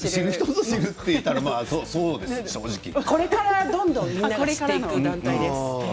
これからどんどんみんなが知っていく段階です。